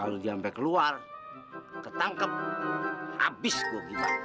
lalu dia sampai keluar ketangkep habis gue gitu